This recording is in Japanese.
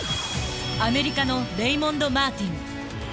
アメリカのレイモンド・マーティン。